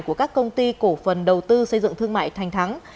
của các công ty cổ phần đầu tư xây dựng thương mại thành thắng